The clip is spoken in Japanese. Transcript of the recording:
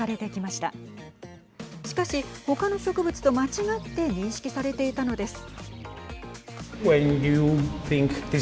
しかし、ほかの植物と間違って認識されていたのです。